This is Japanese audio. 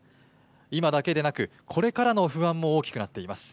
今だけでなく、これからの不安も大きくなっています。